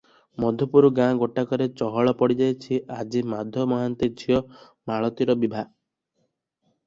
ମଧୁପୁର ଗାଁ ଗୋଟାକରେ ଚହଳ ପଡ଼ି ଯାଇଛି, ଆଜି ମାଧ ମହାନ୍ତି ଝିଅ ମାଳତୀର ବିଭା ।